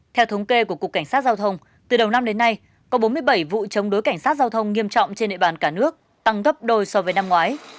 theo thống kê của cục cảnh sát giao thông từ đầu năm đến nay có bốn mươi bảy vụ chống đối cảnh sát giao thông nghiêm trọng trên địa bàn cả nước tăng gấp đôi so với năm ngoái